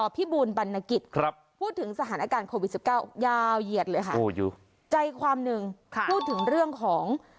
บูลบรรณกิจพูดถึงสถานการณ์โควิด๑๙ยาวเหยียดเลยค่ะใจความหนึ่งพูดถึงเรื่องของ